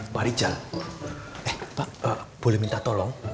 pak rijal eh pak boleh minta tolong